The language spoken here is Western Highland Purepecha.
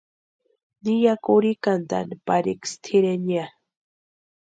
Ni ya kurhikantʼani pariksï tʼireni ya.